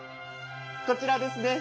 こちらですね。